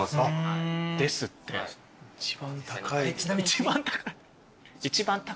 一番高い。